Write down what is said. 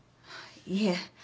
いえ。